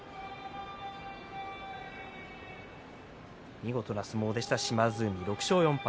見事な相撲でした島津海６勝４敗。